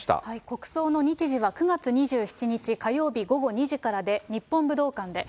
国葬の日時は９月２７日火曜日午後２時からで、日本武道館で。